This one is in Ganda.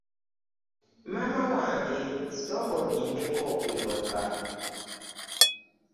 Maama wange sooka olindeko okuyomba.